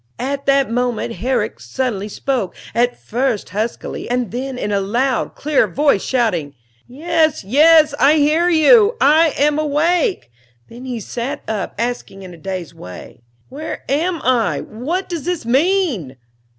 "At that moment Herrick suddenly spoke, at first huskily and then in a loud, clear voice, shouting, 'Yes, yes, I hear you; I am awake.' Then he sat up, asking in a dazed way, 'Where am I? What does this mean?'"